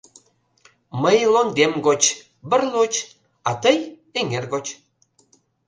Мый лондем гоч — бырлоч, — а тый — эҥер гоч...